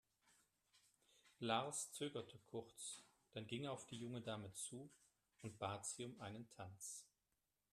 Lars zögerte kurz, dann ging er auf die junge Dame zu und bat sie um einen Tanz.